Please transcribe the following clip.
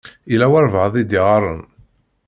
Yella walebɛaḍ i d-iɣaṛen.